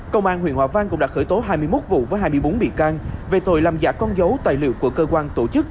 công an huyện hòa vang cũng đã khởi tố hai mươi một vụ với hai mươi bốn bị can về tội làm giả con dấu tài liệu của cơ quan tổ chức